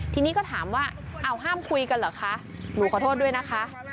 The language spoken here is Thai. ทีนี้ก็ถามว่าอ้าวห้ามคุยกันเหรอคะหนูขอโทษด้วยนะคะ